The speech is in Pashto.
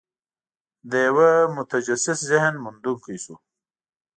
د یوه متجسس ذهن موندونکي شو.